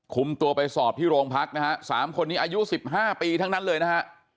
คุมตัวไปสอบที่โรงพักนะฮะ๓คนนี้อายุ๑๕ปีทั้งนั้นเลยนะฮะ